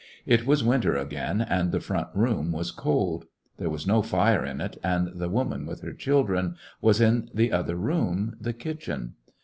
It was winter again, and the front room was eold. There was no fire in it, and the woman^ with her children^ was in the other room^ the kitchen.